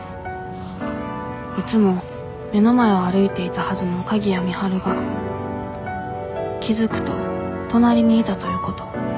いつも目の前を歩いていたはずの鍵谷美晴が気付くと隣にいたということ。